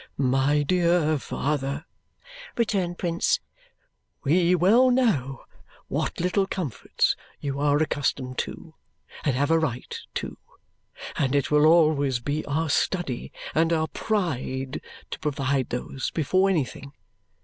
"My dear father," returned Prince, "we well know what little comforts you are accustomed to and have a right to, and it will always be our study and our pride to provide those before anything.